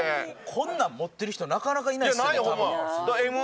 こんなん持ってる人なかなかいないですよね多分。